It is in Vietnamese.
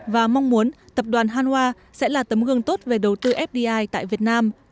và mong muốn tập đoàn hanwha sẽ là tấm gương tốt về đầu tư fdi tại việt nam